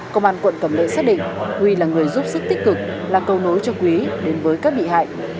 công an quận cẩm lệ xác định huy là người giúp sức tích cực là cầu nối cho quý đến với các bị hại